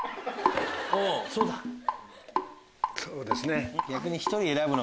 そうですね。